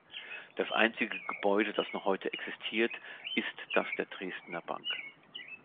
Das einzige Gebäude, das noch heute existiert, ist das der Dresdner Bank.